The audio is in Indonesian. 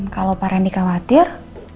kalau pak rendy khawatir